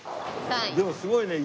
でもすごいね